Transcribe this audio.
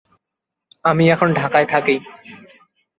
বিশ্ববিদ্যালয়ে তিনি গণিত বিষয়ে অধ্যয়ন করেন।